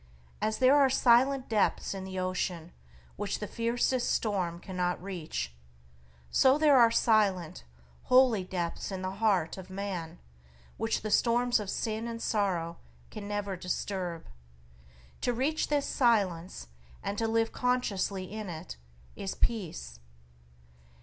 As there are silent depths in the ocean which the fiercest storm cannot reach, so there are silent, holy depths in the heart of man which the storms of sin and sorrow can never disturb. To reach this silence and to live consciously in it is peace.